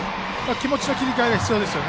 気持ちの切り替えが必要です。